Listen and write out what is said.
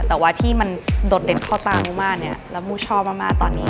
แต่ว่าที่มันโดดเด่นเข้าตามูมากเนี่ยแล้วมูชอบมากตอนนี้